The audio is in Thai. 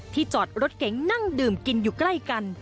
จอดรถเก๋งนั่งดื่มกินอยู่ใกล้กัน